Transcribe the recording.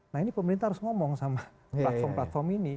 nah ini pemerintah harus ngomong sama platform platform ini